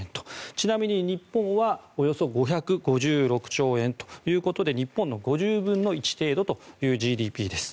ちなみに日本はおよそ５５６兆円ということで日本の５０分の１程度というＧＤＰです。